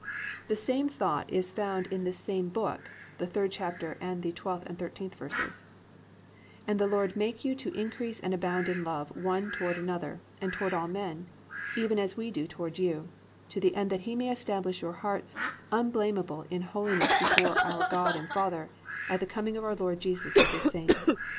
The same thought is found in this same book, the 3rd chapter and 12th and 13th verses, +"And the Lord make you to increase and abound in love one toward another, and toward all men, even as we do toward you, to the end that he may establish your hearts unblamable in holiness before our God and Father, at the coming of our Lord Jesus with his saints."